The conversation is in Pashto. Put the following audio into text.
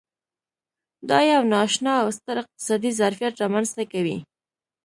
دا یو نا اشنا او ستر اقتصادي ظرفیت رامنځته کوي.